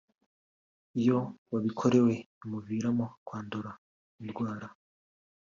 Iyo uwabikorewe bimuviriyemo kwandura indwara